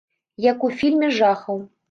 Як у фільме жахаў.